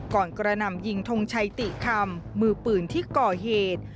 กระหน่ำยิงทงชัยติคำมือปืนที่ก่อเหตุ